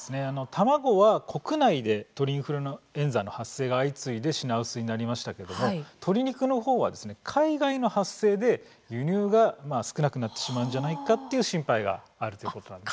卵は国内で鳥インフルエンザの発生が相次いで品薄になりましたけども鶏肉の方はですね海外の発生で輸入が少なくなってしまうんじゃないかっていう心配があるということなんです。